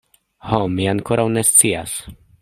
Ho, mi ankoraŭ ne scias.